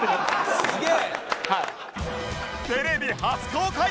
すげえ！